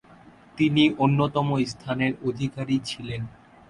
তিনি অন্যতম স্থানের অধিকারী ছিলেন।